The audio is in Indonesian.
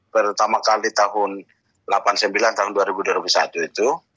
pertama kali tahun seribu sembilan ratus delapan puluh sembilan tahun dua ribu dua puluh satu itu